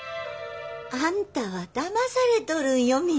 あんたはだまされとるんよ稔。